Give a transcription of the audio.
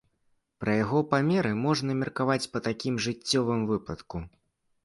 Пра яго памеры можна меркаваць па такім жыццёвым выпадку.